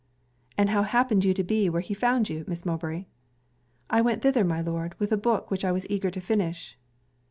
'And how happened you to be where he found you, Miss Mowbray?' 'I went thither, my Lord, with a book which I was eager to finish.'